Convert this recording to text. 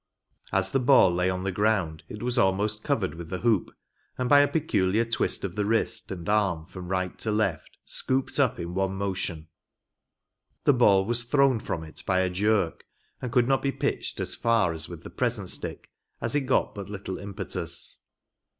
As the ball lay on the ground, it was almost covered with the hoop, and by a peculiar twist of the wrist and arm from right to left, scooped up in one motion. The ball was thrown from it by a jerk, and could not be pitched as far as with the present stick, as it got but little impetus.